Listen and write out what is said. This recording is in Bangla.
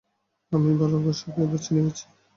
আমি ভালোবাসাকে বেছে নিয়েছি।